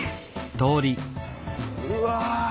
うわ。